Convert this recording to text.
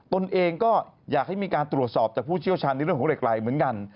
ตนเองก็อยากให้มีการตรวจสอบจากผู้เชี่ยวชาญในเรื่องของเหล็กไหล่เหมือนกัน